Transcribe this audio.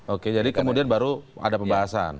oke jadi kemudian baru ada pembahasan